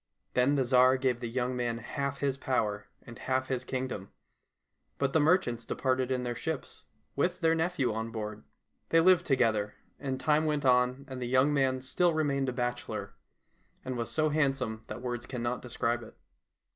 Then the Tsar gave the young man half his power and half his kingdom, but the merchants departed in their ships, with their nephew on board. They lived together, and time went on and the young man still remained a bachelor, and was so handsome that words cannot describe it.